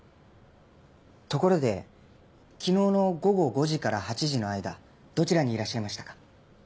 ところで昨日の午後５時から８時の間どちらにいらっしゃいましたか？